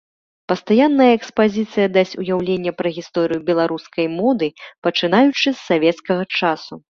Пастаянная экспазіцыя дасць уяўленне пра гісторыю беларускай моды пачынаючы з савецкага часу.